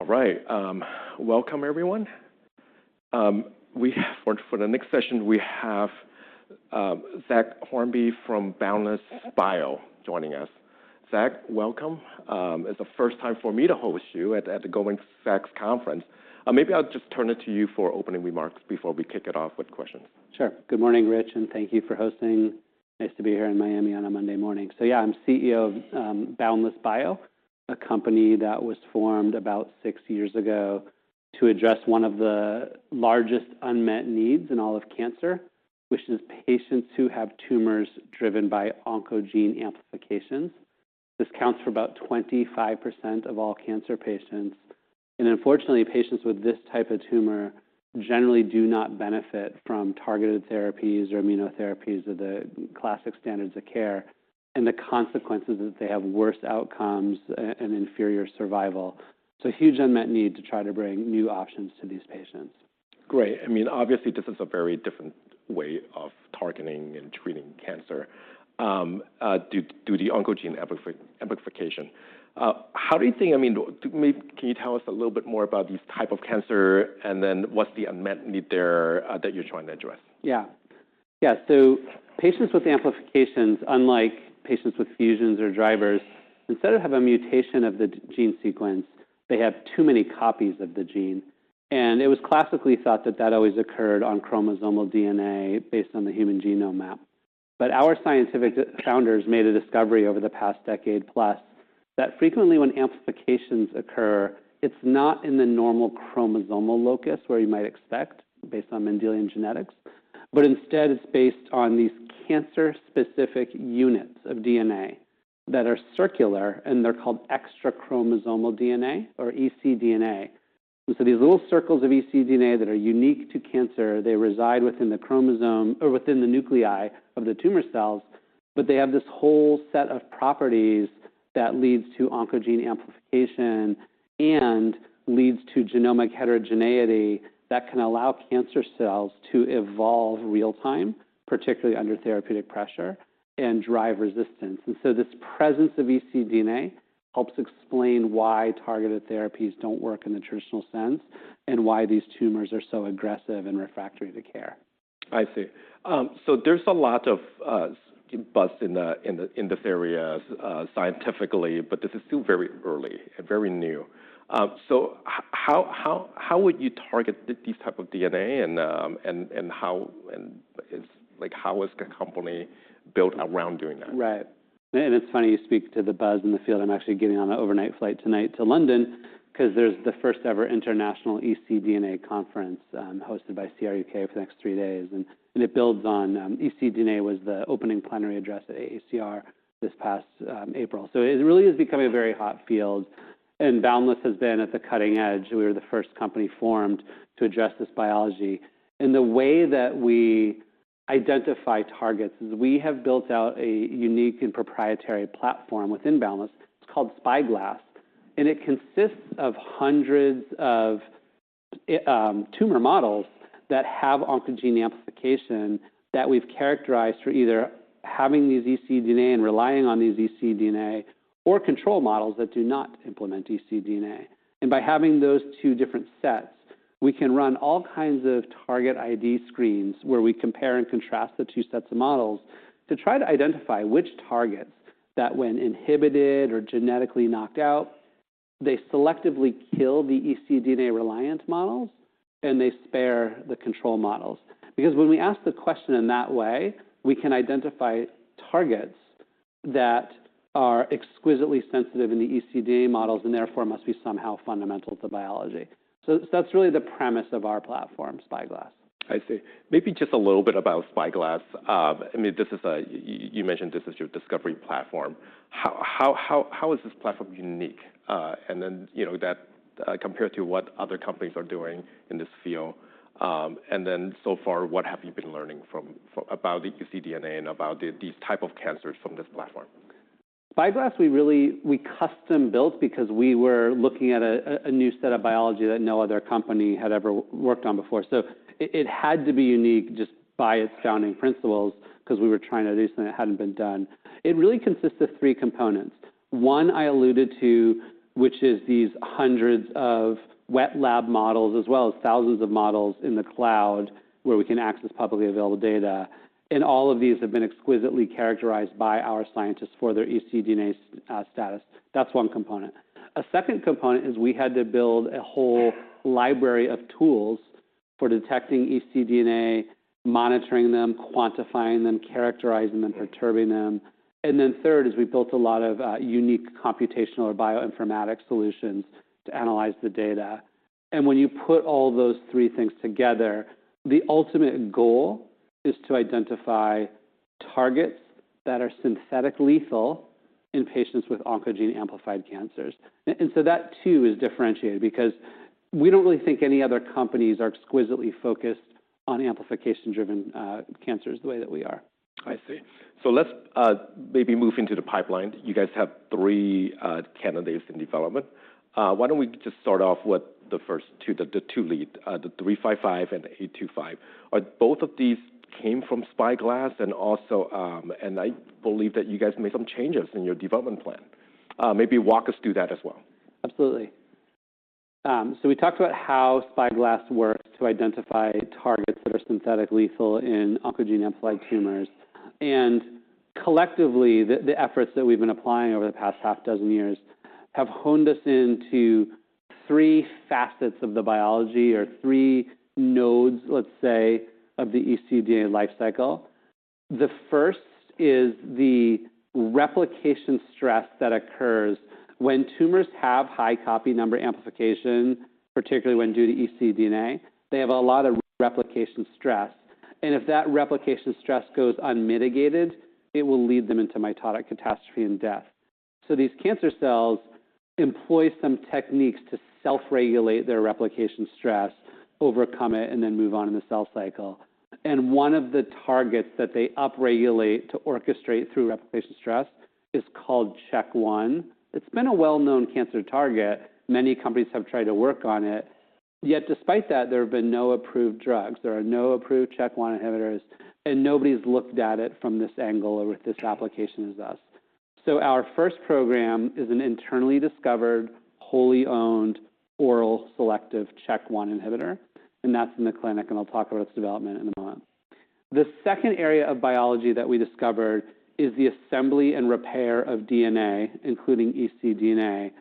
All right. Welcome, everyone. For the next session, we have Zach Hornby from Boundless Bio joining us. Zach, welcome. It is the first time for me to host you at the Goldman Sachs Conference. Maybe I will just turn it to you for opening remarks before we kick it off with questions. Sure. Good morning, Rich, and thank you for hosting. Nice to be here in Miami on a Monday morning. Yeah, I'm CEO of Boundless Bio, a company that was formed about six years ago to address one of the largest unmet needs in all of cancer, which is patients who have tumors driven by oncogene amplifications. This counts for about 25% of all cancer patients. Unfortunately, patients with this type of tumor generally do not benefit from targeted therapies or immunotherapies or the classic standards of care, and the consequence is that they have worse outcomes and inferior survival. Huge unmet need to try to bring new options to these patients. Great. I mean, obviously, this is a very different way of targeting and treating cancer due to the oncogene amplification. How do you think, I mean, can you tell us a little bit more about these types of cancer, and then what's the unmet need there that you're trying to address? Yeah. Yeah. Patients with amplifications, unlike patients with fusions or drivers, instead of having a mutation of the gene sequence, they have too many copies of the gene. It was classically thought that that always occurred on chromosomal DNA based on the human genome map. Our scientific founders made a discovery over the past decade plus that frequently when amplifications occur, it is not in the normal chromosomal locus where you might expect based on Mendelian genetics, but instead it is based on these cancer-specific units of DNA that are circular, and they are called extrachromosomal DNA or ecDNA. These little circles of ecDNA that are unique to cancer, they reside within the chromosome or within the nuclei of the tumor cells, but they have this whole set of properties that leads to oncogene amplification and leads to genomic heterogeneity that can allow cancer cells to evolve real time, particularly under therapeutic pressure, and drive resistance. This presence of ecDNA helps explain why targeted therapies do not work in the traditional sense and why these tumors are so aggressive and refractory to care. I see. So there's a lot of buzz in this area scientifically, but this is still very early and very new. How would you target these types of DNA, and how is the company built around doing that? Right. It's funny, you speak to the buzz in the field. I'm actually getting on an overnight flight tonight to London because there's the first-ever international ecDNA conference hosted by CRUK for the next three days. It builds on ecDNA being the opening plenary address at AACR this past April. It really is becoming a very hot field. Boundless has been at the cutting edge. We were the first company formed to address this biology. The way that we identify targets is we have built out a unique and proprietary platform within Boundless. It's called Spyglass. It consists of hundreds of tumor models that have oncogene amplification that we've characterized for either having these ecDNA and relying on these ecDNA or control models that do not implement ecDNA. By having those two different sets, we can run all kinds of target ID screens where we compare and contrast the two sets of models to try to identify which targets that, when inhibited or genetically knocked out, they selectively kill the ecDNA-reliant models, and they spare the control models. Because when we ask the question in that way, we can identify targets that are exquisitely sensitive in the ecDNA models and therefore must be somehow fundamental to biology. That is really the premise of our platform, Spyglass. I see. Maybe just a little bit about Spyglass. I mean, you mentioned this is your discovery platform. How is this platform unique? Compared to what other companies are doing in this field, so far, what have you been learning about the ecDNA and about these types of cancers from this platform? Spyglass, we really custom-built because we were looking at a new set of biology that no other company had ever worked on before. It had to be unique just by its founding principles because we were trying to do something that had not been done. It really consists of three components. One I alluded to, which is these hundreds of wet lab models as well as thousands of models in the cloud where we can access publicly available data. All of these have been exquisitely characterized by our scientists for their ecDNA status. That is one component. A second component is we had to build a whole library of tools for detecting ecDNA, monitoring them, quantifying them, characterizing them, perturbing them. Third is we built a lot of unique computational or bioinformatic solutions to analyze the data. When you put all those three things together, the ultimate goal is to identify targets that are synthetically lethal in patients with oncogene-amplified cancers. That too is differentiated because we do not really think any other companies are exquisitely focused on amplification-driven cancers the way that we are. I see. So let's maybe move into the pipeline. You guys have three candidates in development. Why don't we just start off with the first two, the two lead, the 355 and 825. Both of these came from Spyglass, and I believe that you guys made some changes in your development plan. Maybe walk us through that as well. Absolutely. We talked about how Spyglass works to identify targets that are synthetically lethal in oncogene-amplified tumors. Collectively, the efforts that we've been applying over the past half dozen years have honed us into three facets of the biology or three nodes, let's say, of the ecDNA life cycle. The first is the replication stress that occurs when tumors have high copy number amplification, particularly when due to ecDNA. They have a lot of replication stress. If that replication stress goes unmitigated, it will lead them into mitotic catastrophe and death. These cancer cells employ some techniques to self-regulate their replication stress, overcome it, and then move on in the cell cycle. One of the targets that they upregulate to orchestrate through replication stress is called CHK1. It's been a well-known cancer target. Many companies have tried to work on it. Yet despite that, there have been no approved drugs. There are no approved CHK1 inhibitors, and nobody's looked at it from this angle or with this application as us. Our first program is an internally discovered, wholly owned oral selective CHK1 inhibitor. That's in the clinic, and I'll talk about its development in a moment. The second area of biology that we discovered is the assembly and repair of DNA, including ecDNA.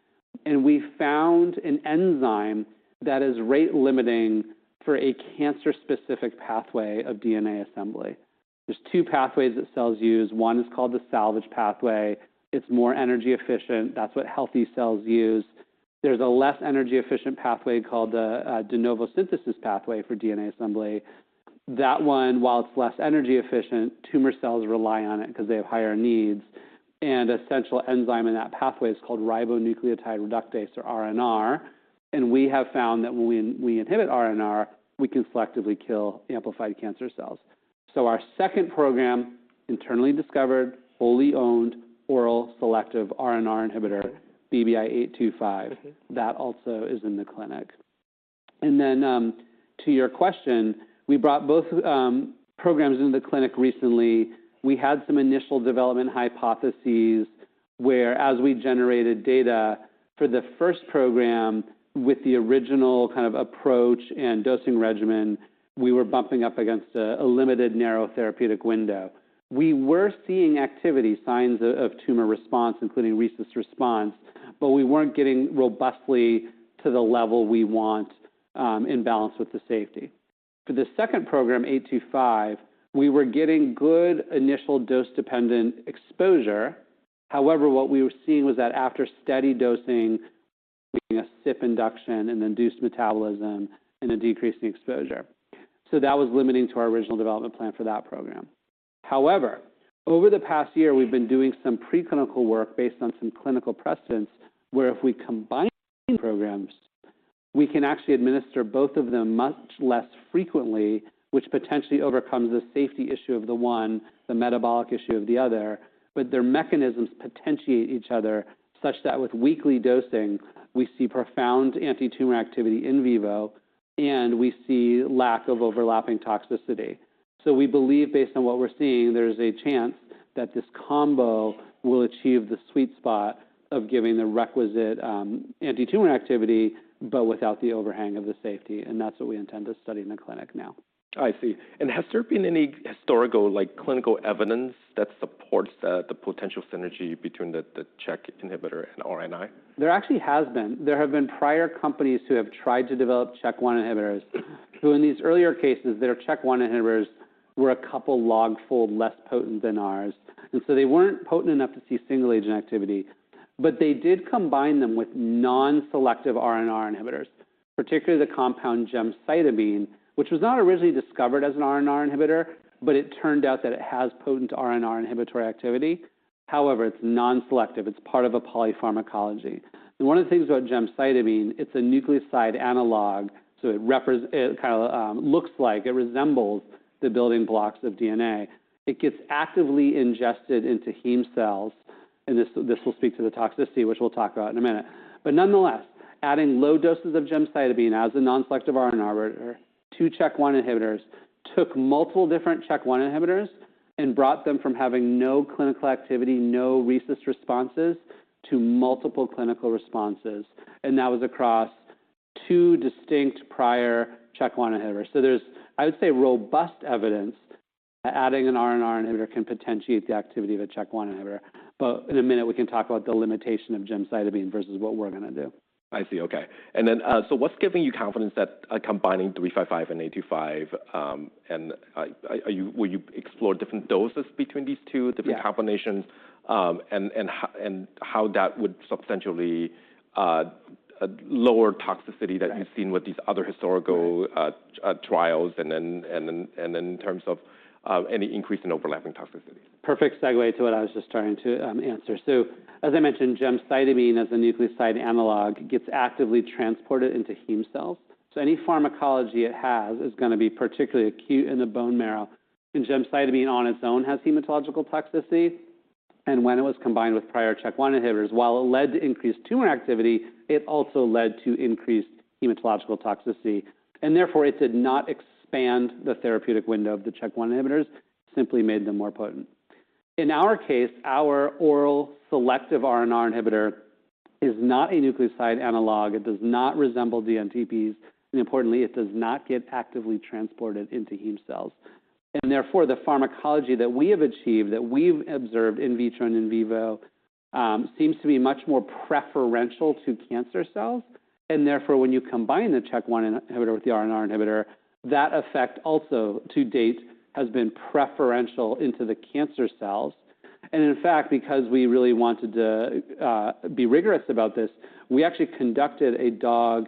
We found an enzyme that is rate limiting for a cancer-specific pathway of DNA assembly. There are two pathways that cells use. One is called the salvage pathway. It's more energy efficient. That's what healthy cells use. There's a less energy efficient pathway called the de novo synthesis pathway for DNA assembly. That one, while it's less energy efficient, tumor cells rely on it because they have higher needs. An essential enzyme in that pathway is called ribonucleotide reductase or RNR. We have found that when we inhibit RNR, we can selectively kill amplified cancer cells. Our second program, internally discovered, wholly owned oral selective RNR inhibitor, BBI-825, also is in the clinic. To your question, we brought both programs into the clinic recently. We had some initial development hypotheses where, as we generated data for the first program with the original kind of approach and dosing regimen, we were bumping up against a limited narrow therapeutic window. We were seeing activity, signs of tumor response, including RECIST response, but we were not getting robustly to the level we want in balance with the safety. For the second program, 825, we were getting good initial dose-dependent exposure. However, what we were seeing was that after steady dosing, we're seeing a CYP3A4 induction and induced metabolism and a decrease in exposure. That was limiting to our original development plan for that program. However, over the past year, we've been doing some preclinical work based on some clinical precedents where if we combine programs, we can actually administer both of them much less frequently, which potentially overcomes the safety issue of the one, the metabolic issue of the other. Their mechanisms potentiate each other such that with weekly dosing, we see profound anti-tumor activity in vivo, and we see lack of overlapping toxicity. We believe, based on what we're seeing, there is a chance that this combo will achieve the sweet spot of giving the requisite anti-tumor activity, but without the overhang of the safety. That is what we intend to study in the clinic now. I see. Has there been any historical clinical evidence that supports the potential synergy between the CHK inhibitor and RNR? There actually has been. There have been prior companies who have tried to develop CHK1 inhibitors who, in these earlier cases, their CHK1 inhibitors were a couple log fold less potent than ours. They were not potent enough to see single-agent activity. They did combine them with non-selective RNR inhibitors, particularly the compound gemcitabine, which was not originally discovered as an RNR inhibitor, but it turned out that it has potent RNR inhibitory activity. However, it is non-selective. It is part of a polypharmacology. One of the things about gemcitabine, it is a nucleoside analog. It kind of looks like it resembles the building blocks of DNA. It gets actively ingested into heme cells. This will speak to the toxicity, which we will talk about in a minute. Nonetheless, adding low doses of gemcitabine as a non-selective RNR inhibitor to CHK1 inhibitors took multiple different CHK1 inhibitors and brought them from having no clinical activity, no recess responses, to multiple clinical responses. That was across two distinct prior CHK1 inhibitors. I would say there is robust evidence that adding an RNR inhibitor can potentiate the activity of a CHK1 inhibitor. In a minute, we can talk about the limitation of gemcitabine versus what we are going to do. I see. Okay. What's giving you confidence that combining 355 and 825, and will you explore different doses between these two, different combinations, and how that would substantially lower toxicity that you've seen with these other historical trials and in terms of any increase in overlapping toxicity? Perfect segue to what I was just trying to answer. As I mentioned, gemcitabine as a nucleoside analog gets actively transported into heme cells. Any pharmacology it has is going to be particularly acute in the bone marrow. Gemcitabine on its own has hematological toxicity. When it was combined with prior CHK1 inhibitors, while it led to increased tumor activity, it also led to increased hematological toxicity. Therefore, it did not expand the therapeutic window of the CHK1 inhibitors, it simply made them more potent. In our case, our oral selective RNR inhibitor is not a nucleoside analog. It does not resemble dNTPs. Importantly, it does not get actively transported into heme cells. Therefore, the pharmacology that we have achieved, that we've observed in vitro and in vivo, seems to be much more preferential to cancer cells. Therefore, when you combine the CHK1 inhibitor with the RNR inhibitor, that effect also to date has been preferential into the cancer cells. In fact, because we really wanted to be rigorous about this, we actually conducted a dog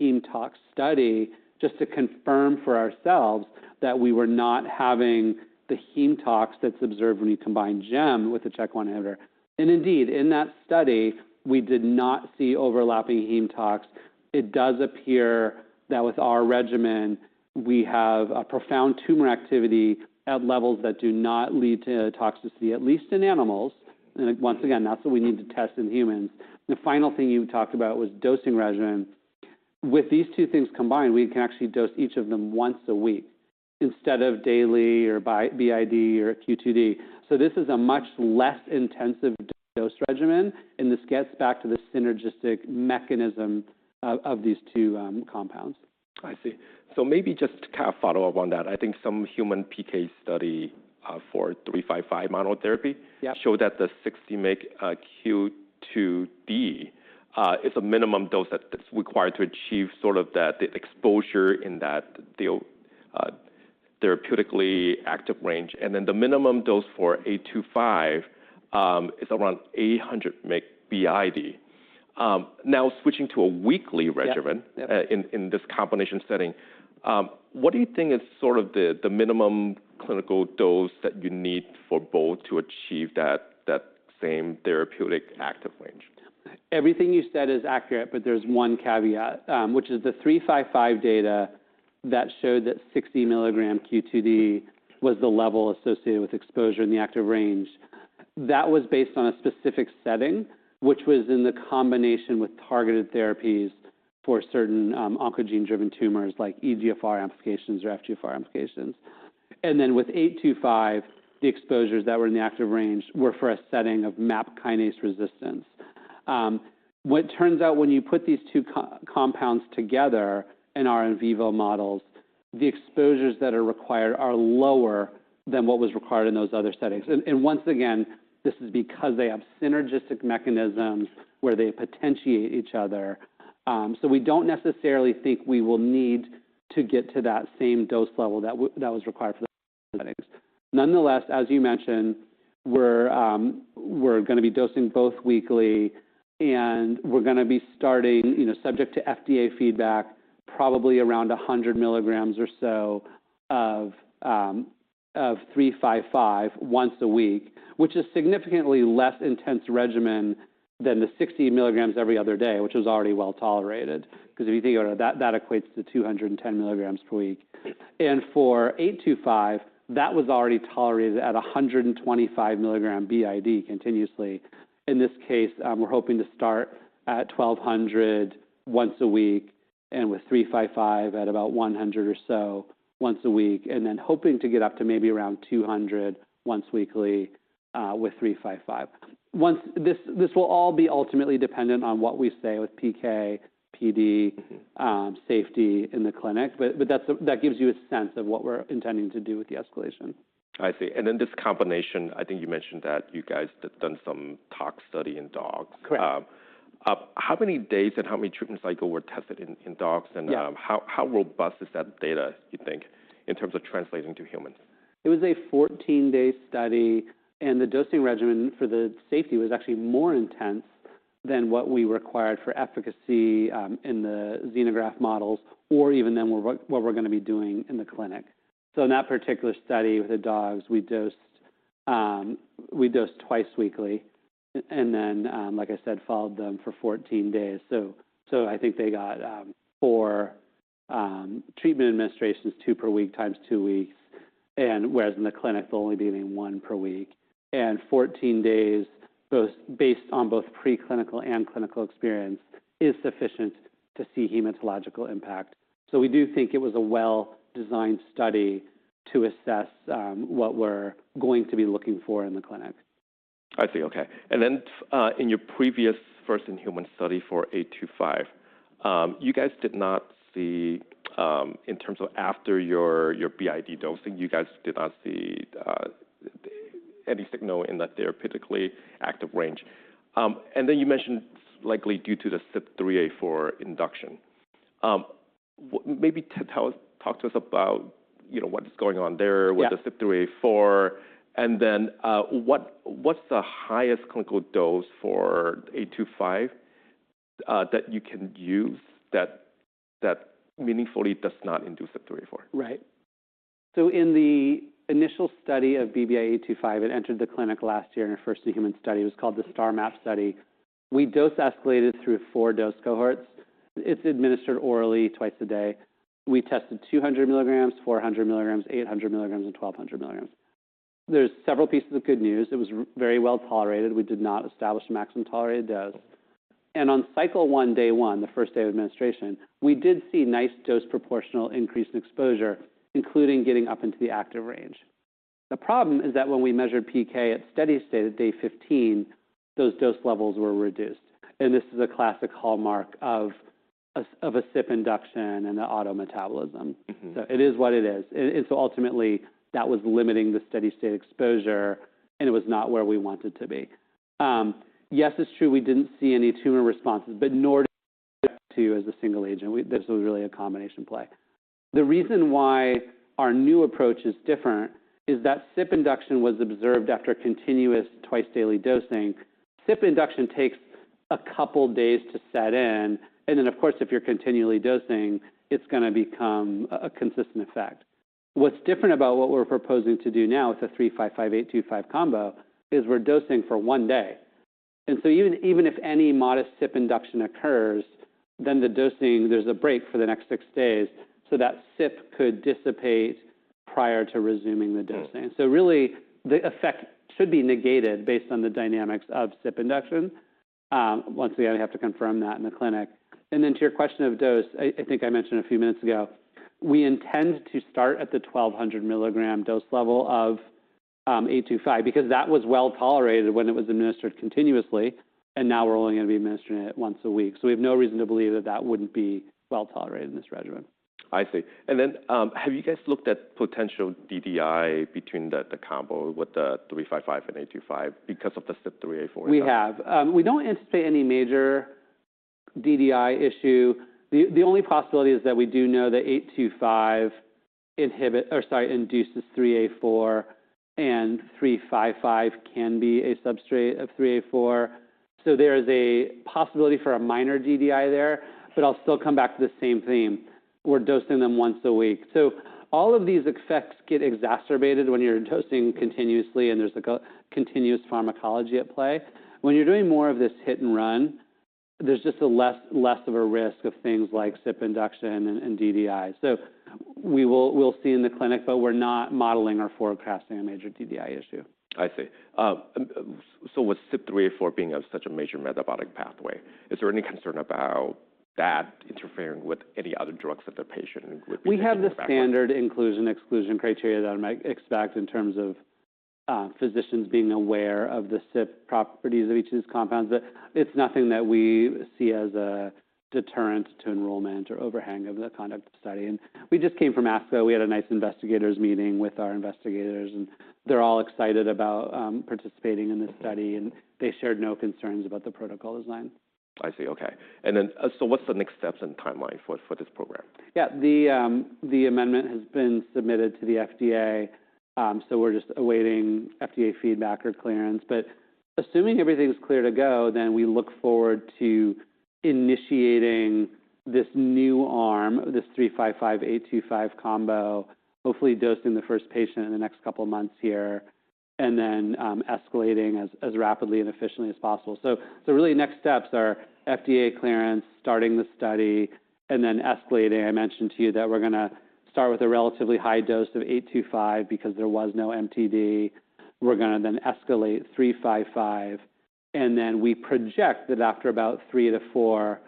heme tox study just to confirm for ourselves that we were not having the heme tox that's observed when you combine gemcitabine with the CHK1 inhibitor. Indeed, in that study, we did not see overlapping heme tox. It does appear that with our regimen, we have a profound tumor activity at levels that do not lead to toxicity, at least in animals. Once again, that's what we need to test in humans. The final thing you talked about was dosing regimen. With these two things combined, we can actually dose each of them once a week instead of daily or BID or Q2D. This is a much less intensive dose regimen. This gets back to the synergistic mechanism of these two compounds. I see. So maybe just to kind of follow up on that, I think some human PK study for 355 monotherapy showed that the 60 mg Q2D is a minimum dose that's required to achieve sort of the exposure in that therapeutically active range. And then the minimum dose for 825 is around 800 mg BID. Now switching to a weekly regimen in this combination setting, what do you think is sort of the minimum clinical dose that you need for both to achieve that same therapeutic active range? Everything you said is accurate, but there's one caveat, which is the 355 data that showed that 60 mg Q2D was the level associated with exposure in the active range. That was based on a specific setting, which was in the combination with targeted therapies for certain oncogene-driven tumors like EGFR amplifications or FGFR amplifications. Then with 825, the exposures that were in the active range were for a setting of MAP kinase resistance. What turns out when you put these two compounds together in our in vivo models, the exposures that are required are lower than what was required in those other settings. Once again, this is because they have synergistic mechanisms where they potentiate each other. We do not necessarily think we will need to get to that same dose level that was required for those settings. Nonetheless, as you mentioned, we're going to be dosing both weekly, and we're going to be starting, subject to FDA feedback, probably around 100 milligrams or so of 355 once a week, which is a significantly less intense regimen than the 60 milligrams every other day, which was already well tolerated. Because if you think about it, that equates to 210 milligrams per week. And for 825, that was already tolerated at 125 milligram BID continuously. In this case, we're hoping to start at 1,200 once a week and with 355 at about 100 or so once a week, and then hoping to get up to maybe around 200 once weekly with 355. This will all be ultimately dependent on what we say with PK, PD, safety in the clinic. But that gives you a sense of what we're intending to do with the escalation. I see. This combination, I think you mentioned that you guys have done some tox study in dogs. Correct. How many days and how many treatment cycles were tested in dogs? How robust is that data, you think, in terms of translating to humans? It was a 14-day study. The dosing regimen for the safety was actually more intense than what we required for efficacy in the xenograft models or even than what we are going to be doing in the clinic. In that particular study with the dogs, we dosed twice weekly. Like I said, we followed them for 14 days. I think they got four treatment administrations, two per week times two weeks, whereas in the clinic, they will only be getting one per week. 14 days, based on both preclinical and clinical experience, is sufficient to see hematological impact. We do think it was a well-designed study to assess what we are going to be looking for in the clinic. I see. Okay. In your previous first-in-human study for 825, you guys did not see, in terms of after your BID dosing, you guys did not see any signal in the therapeutically active range. You mentioned likely due to the CYP3A4 induction. Maybe talk to us about what's going on there with the CYP3A4. What's the highest clinical dose for 825 that you can use that meaningfully does not induce CYP3A4? Right. In the initial study of BBI-825, it entered the clinic last year in a first-in-human study. It was called the STARMAP study. We dose escalated through four dose cohorts. It's administered orally twice a day. We tested 200 milligrams, 400 milligrams, 800 milligrams, and 1,200 milligrams. There are several pieces of good news. It was very well tolerated. We did not establish a maximum tolerated dose. On cycle one, day one, the first day of administration, we did see a nice dose proportional increase in exposure, including getting up into the active range. The problem is that when we measured PK at steady state at day 15, those dose levels were reduced. This is a classic hallmark of a CYP3A4 induction and auto metabolism. It is what it is. Ultimately, that was limiting the steady state exposure, and it was not where we wanted to be. Yes, it's true. We didn't see any tumor responses, but nor did we see CYP2 as a single agent. This was really a combination play. The reason why our new approach is different is that CYP induction was observed after continuous twice-daily dosing. CYP induction takes a couple of days to set in. If you're continually dosing, it's going to become a consistent effect. What's different about what we're proposing to do now with the 355, 825 combo is we're dosing for one day. Even if any modest CYP induction occurs, then the dosing, there's a break for the next six days so that CYP could dissipate prior to resuming the dosing. Really, the effect should be negated based on the dynamics of CYP3A4 induction. Once again, I have to confirm that in the clinic. To your question of dose, I think I mentioned a few minutes ago, we intend to start at the 1,200 milligram dose level of 825 because that was well tolerated when it was administered continuously. Now we're only going to be administering it once a week. We have no reason to believe that that would not be well tolerated in this regimen. I see. Have you guys looked at potential DDI between the combo with the 355 and 825 because of the CYP3A4? We have. We don't anticipate any major DDI issue. The only possibility is that we do know that 825 induces CYP3A4 and 355 can be a substrate of CYP3A4. There is a possibility for a minor DDI there. I'll still come back to the same theme. We're dosing them once a week. All of these effects get exacerbated when you're dosing continuously and there's a continuous pharmacology at play. When you're doing more of this hit and run, there's just less of a risk of things like CYP induction and DDI. We'll see in the clinic, but we're not modeling or forecasting a major DDI issue. I see. So with CYP3A4 being such a major metabolic pathway, is there any concern about that interfering with any other drugs that the patient would be taking? We have the standard inclusion-exclusion criteria that I might expect in terms of physicians being aware of the CYP properties of each of these compounds. It is nothing that we see as a deterrent to enrollment or overhang of the conduct study. We just came from ASCO. We had a nice investigators' meeting with our investigators. They are all excited about participating in this study. They shared no concerns about the protocol design. I see. Okay. What's the next steps and timeline for this program? Yeah. The amendment has been submitted to the FDA. So we're just awaiting FDA feedback or clearance. But assuming everything's clear to go, then we look forward to initiating this new arm, this 355, 825 combo, hopefully dosing the first patient in the next couple of months here and then escalating as rapidly and efficiently as possible. Really, next steps are FDA clearance, starting the study, and then escalating. I mentioned to you that we're going to start with a relatively high dose of 825 because there was no MTD. We're going to then escalate 355. We project that after about three to four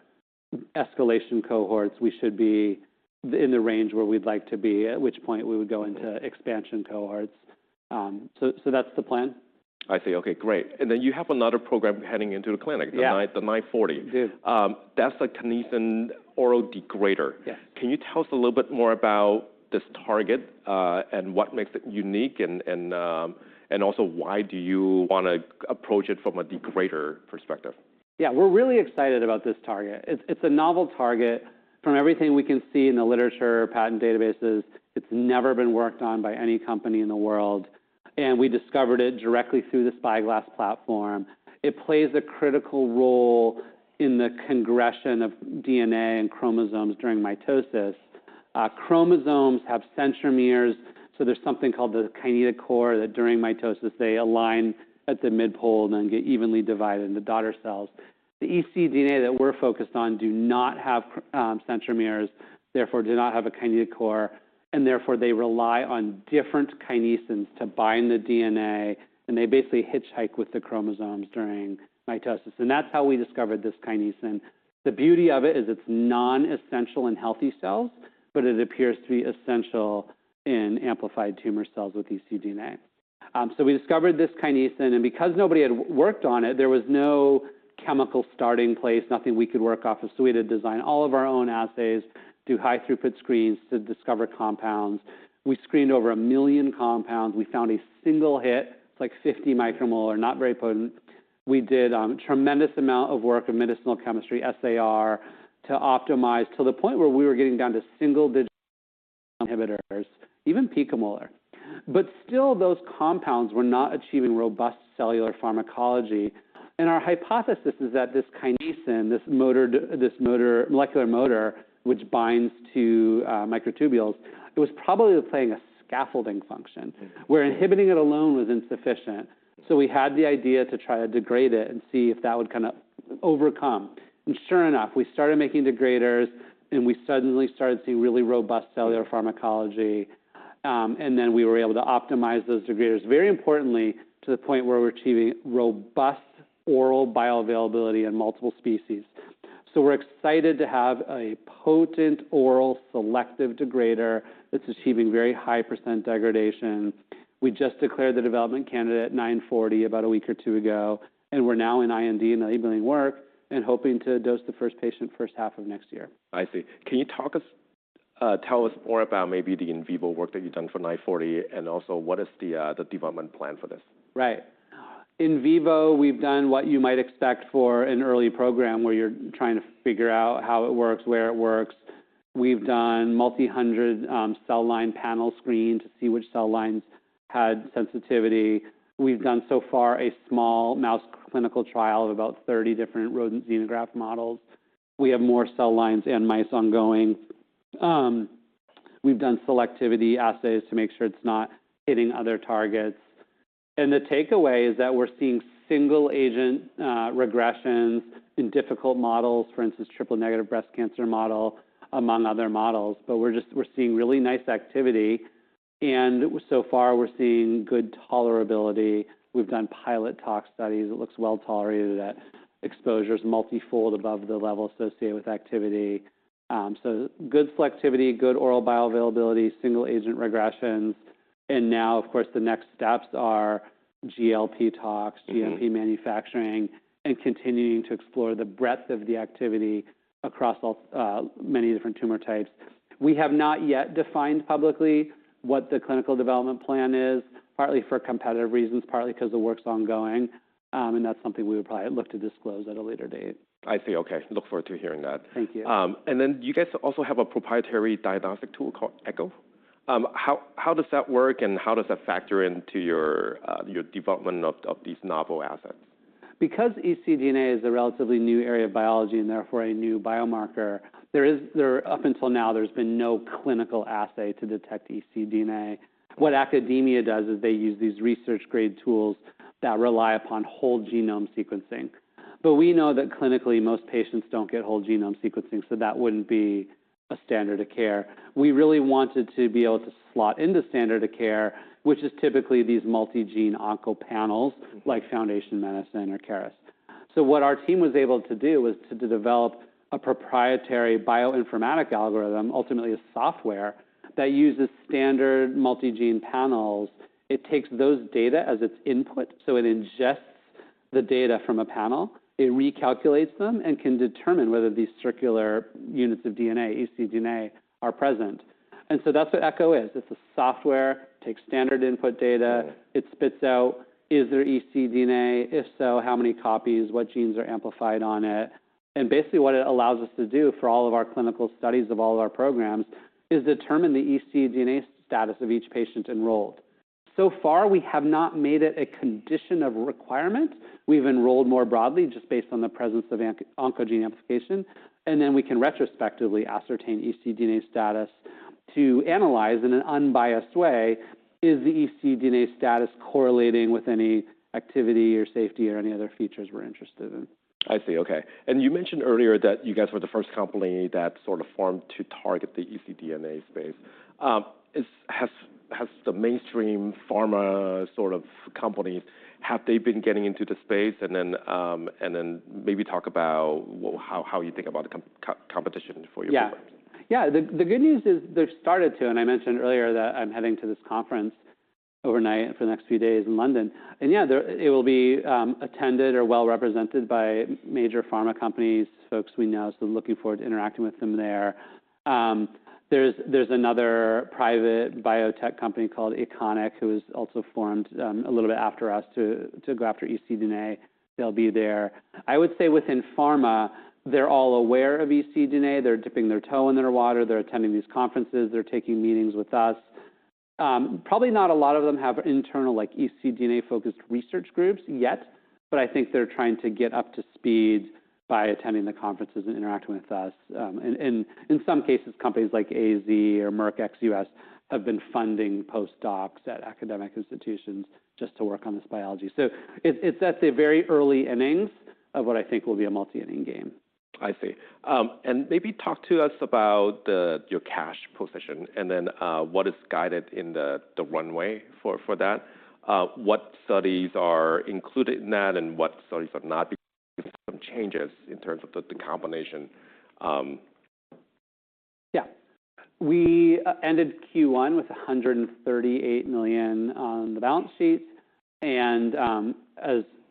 escalation cohorts, we should be in the range where we'd like to be, at which point we would go into expansion cohorts. That's the plan. I see. Okay. Great. And then you have another program heading into the clinic, the 940. I do. That's a kinesin oral degrader. Yes. Can you tell us a little bit more about this target and what makes it unique and also why do you want to approach it from a degrader perspective? Yeah. We're really excited about this target. It's a novel target. From everything we can see in the literature, patent databases, it's never been worked on by any company in the world. And we discovered it directly through the Spyglass platform. It plays a critical role in the congression of DNA and chromosomes during mitosis. Chromosomes have centromeres. So there's something called the kinetochore that during mitosis, they align at the mid pole and then get evenly divided into daughter cells. The ecDNA that we're focused on do not have centromeres, therefore do not have a kinetochore. And therefore, they rely on different kinesins to bind the DNA. And they basically hitchhike with the chromosomes during mitosis. And that's how we discovered this kinesin. The beauty of it is it's non-essential in healthy cells, but it appears to be essential in amplified tumor cells with ecDNA. We discovered this kinesin. Because nobody had worked on it, there was no chemical starting place, nothing we could work off of. We had to design all of our own assays, do high-throughput screens to discover compounds. We screened over 1 million compounds. We found a single hit. It's like 50 micromolar, not very potent. We did a tremendous amount of work in medicinal chemistry, SAR, to optimize to the point where we were getting down to single-digit inhibitors, even picomolar. Still, those compounds were not achieving robust cellular pharmacology. Our hypothesis is that this kinesin, this molecular motor, which binds to microtubules, was probably playing a scaffolding function where inhibiting it alone was insufficient. We had the idea to try to degrade it and see if that would kind of overcome. Sure enough, we started making degraders, and we suddenly started seeing really robust cellular pharmacology. We were able to optimize those degraders, very importantly, to the point where we're achieving robust oral bioavailability in multiple species. We're excited to have a potent oral selective degrader that's achieving very high % degradation. We just declared the development candidate at 940 about a week or two ago. We're now in IND and enabling work and hoping to dose the first patient first half of next year. I see. Can you tell us more about maybe the in vivo work that you've done for 940 and also what is the development plan for this? Right. In vivo, we've done what you might expect for an early program where you're trying to figure out how it works, where it works. We've done multi-hundred cell line panel screen to see which cell lines had sensitivity. We've done so far a small mouse clinical trial of about 30 different rodent xenograft models. We have more cell lines and mice ongoing. We've done selectivity assays to make sure it's not hitting other targets. The takeaway is that we're seeing single-agent regressions in difficult models, for instance, triple-negative breast cancer model among other models. We're seeing really nice activity. So far, we're seeing good tolerability. We've done pilot tox studies. It looks well tolerated at exposures, multifold above the level associated with activity. Good selectivity, good oral bioavailability, single-agent regressions. Of course, the next steps are GLP tox, GLP manufacturing, and continuing to explore the breadth of the activity across many different tumor types. We have not yet defined publicly what the clinical development plan is, partly for competitive reasons, partly because the work's ongoing. That is something we would probably look to disclose at a later date. I see. Okay. Look forward to hearing that. Thank you. You guys also have a proprietary diagnostic tool called Echo. How does that work, and how does that factor into your development of these novel assets? Because ecDNA is a relatively new area of biology and therefore a new biomarker, up until now, there's been no clinical assay to detect ecDNA. What academia does is they use these research-grade tools that rely upon whole genome sequencing. We know that clinically, most patients don't get whole genome sequencing, so that wouldn't be a standard of care. We really wanted to be able to slot into standard of care, which is typically these multi-gene onc panels like Foundation Medicine or Caris. What our team was able to do was to develop a proprietary bioinformatic algorithm, ultimately a software that uses standard multi-gene panels. It takes those data as its input. It ingests the data from a panel. It recalculates them and can determine whether these circular units of DNA, ecDNA, are present. That is what Echo is. It's a software. It takes standard input data. It spits out, is there ecDNA? If so, how many copies? What genes are amplified on it? What it allows us to do for all of our clinical studies of all of our programs is determine the ecDNA status of each patient enrolled. So far, we have not made it a condition of requirement. We've enrolled more broadly just based on the presence of oncogene amplification. We can retrospectively ascertain ecDNA status to analyze in an unbiased way, is the ecDNA status correlating with any activity or safety or any other features we're interested in. I see. Okay. You mentioned earlier that you guys were the first company that sort of formed to target the ecDNA space. Has the mainstream pharma sort of companies, have they been getting into the space? Maybe talk about how you think about the competition for your program. Yeah. Yeah. The good news is they've started to. I mentioned earlier that I'm heading to this conference overnight for the next few days in London. It will be attended or well-represented by major pharma companies, folks we know. Looking forward to interacting with them there. There's another private biotech company called Econic who was also formed a little bit after us to go after ecDNA. They'll be there. I would say within pharma, they're all aware of ecDNA. They're dipping their toe in their water. They're attending these conferences. They're taking meetings with us. Probably not a lot of them have internal ecDNA-focused research groups yet. I think they're trying to get up to speed by attending the conferences and interacting with us. In some cases, companies like AZ or Merck Ex-U.S. have been funding postdocs at academic institutions just to work on this biology. That's a very early innings of what I think will be a multi-inning game. I see. Maybe talk to us about your cash position and then what is guided in the runway for that. What studies are included in that and what studies are not because of some changes in terms of the combination? Yeah. We ended Q1 with $138 million on the balance sheet.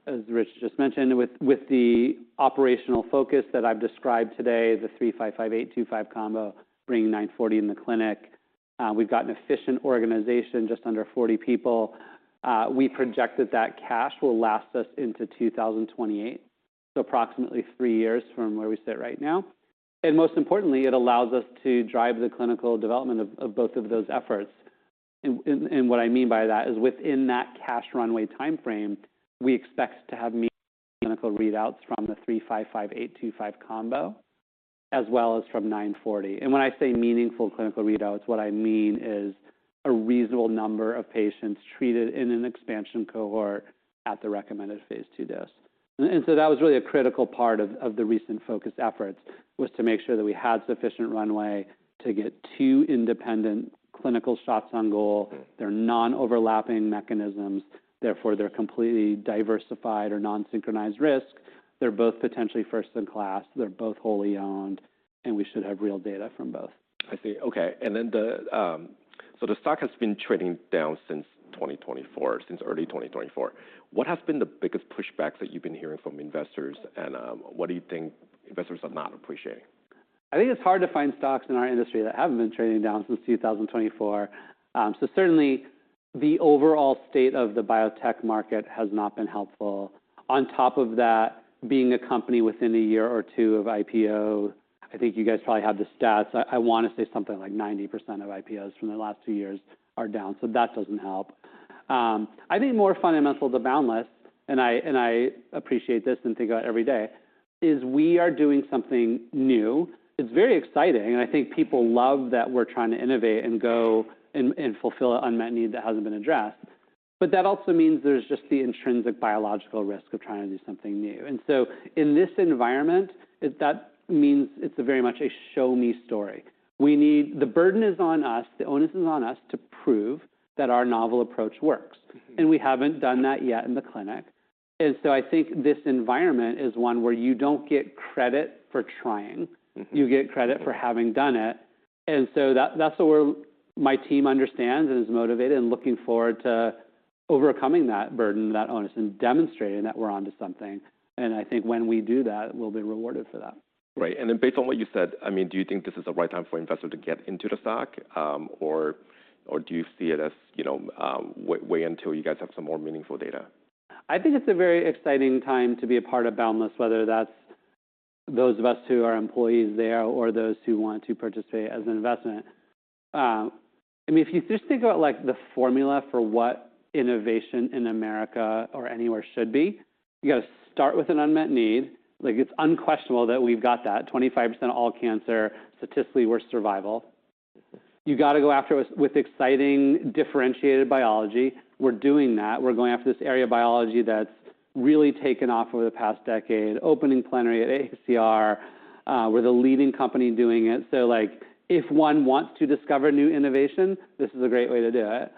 As Rich just mentioned, with the operational focus that I've described today, the 355, 825 combo, bringing 940 in the clinic, we've got an efficient organization, just under 40 people. We project that that cash will last us into 2028, so approximately three years from where we sit right now. Most importantly, it allows us to drive the clinical development of both of those efforts. What I mean by that is within that cash runway timeframe, we expect to have meaningful clinical readouts from the 355, 825 combo, as well as from 940. When I say meaningful clinical readouts, what I mean is a reasonable number of patients treated in an expansion cohort at the recommended phase two dose. That was really a critical part of the recent focused efforts was to make sure that we had sufficient runway to get two independent clinical shots on goal. They're non-overlapping mechanisms. Therefore, they're completely diversified or non-synchronized risk. They're both potentially first in class. They're both wholly owned. We should have real data from both. I see. Okay. The stock has been trading down since 2024, since early 2024. What has been the biggest pushback that you've been hearing from investors? What do you think investors are not appreciating? I think it's hard to find stocks in our industry that haven't been trading down since 2024. Certainly, the overall state of the biotech market has not been helpful. On top of that, being a company within a year or two of IPO, I think you guys probably have the stats. I want to say something like 90% of IPOs from the last two years are down. That doesn't help. I think more fundamental to Boundless Bio, and I appreciate this and think about it every day, is we are doing something new. It's very exciting. I think people love that we're trying to innovate and go and fulfill an unmet need that hasn't been addressed. That also means there's just the intrinsic biological risk of trying to do something new. In this environment, that means it's very much a show-me story. The burden is on us. The onus is on us to prove that our novel approach works. We haven't done that yet in the clinic. I think this environment is one where you don't get credit for trying. You get credit for having done it. That's what my team understands and is motivated and looking forward to overcoming that burden, that onus, and demonstrating that we're on to something. I think when we do that, we'll be rewarded for that. Right. And then based on what you said, I mean, do you think this is the right time for investors to get into the stock? Or do you see it as wait until you guys have some more meaningful data? I think it's a very exciting time to be a part of Boundless, whether that's those of us who are employees there or those who want to participate as an investment. I mean, if you just think about the formula for what innovation in America or anywhere should be, you got to start with an unmet need. It's unquestionable that we've got that 25% all cancer. Statistically, we're survival. You got to go after it with exciting differentiated biology. We're doing that. We're going after this area of biology that's really taken off over the past decade, opening plenary at AACR. We're the leading company doing it. If one wants to discover new innovation, this is a great way to do it.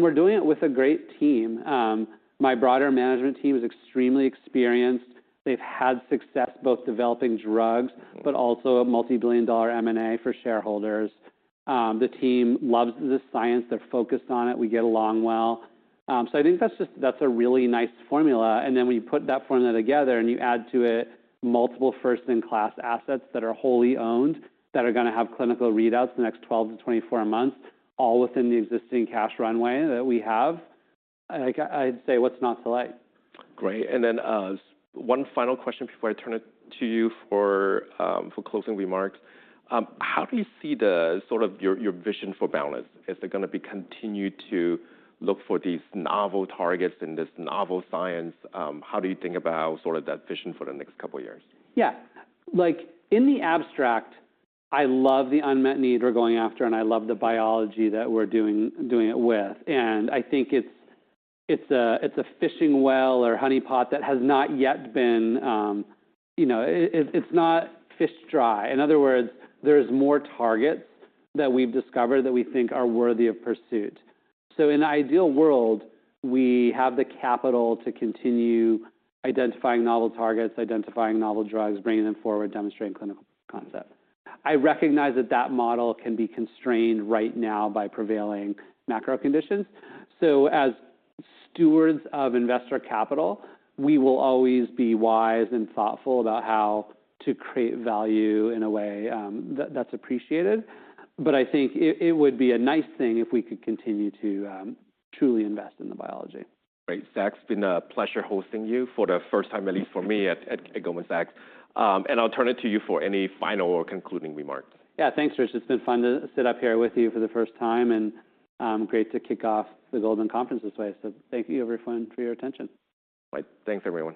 We're doing it with a great team. My broader management team is extremely experienced. They've had success both developing drugs, but also a multi-billion dollar M&A for shareholders. The team loves the science. They're focused on it. We get along well. I think that's a really nice formula. When you put that formula together and you add to it multiple first-in-class assets that are wholly owned that are going to have clinical readouts in the next 12 to 24 months, all within the existing cash runway that we have, I'd say what's not to like. Great. One final question before I turn it to you for closing remarks. How do you see sort of your vision for Boundless? Is it going to be continue to look for these novel targets and this novel science? How do you think about sort of that vision for the next couple of years? Yeah. In the abstract, I love the unmet need we're going after, and I love the biology that we're doing it with. I think it's a fishing well or honeypot that has not yet been fished dry. In other words, there are more targets that we've discovered that we think are worthy of pursuit. In an ideal world, we have the capital to continue identifying novel targets, identifying novel drugs, bringing them forward, demonstrating clinical concept. I recognize that that model can be constrained right now by prevailing macro conditions. As stewards of investor capital, we will always be wise and thoughtful about how to create value in a way that's appreciated. I think it would be a nice thing if we could continue to truly invest in the biology. Great. Zach, it's been a pleasure hosting you for the first time, at least for me at Goldman Sachs. I will turn it to you for any final or concluding remarks. Yeah. Thanks, Rich. It's been fun to sit up here with you for the first time. Great to kick off the Goldman Sachs Conference this way. Thank you, everyone, for your attention. Right. Thanks, everyone.